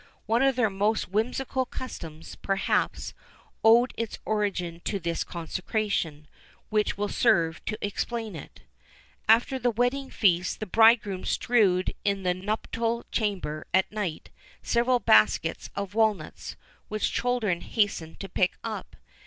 One of their most whimsical customs, perhaps, owed its origin to this consecration, which will serve to explain it: After the wedding feast the bridegroom strewed in the nuptial chamber, at night, several baskets of walnuts, which children hastened to pick up.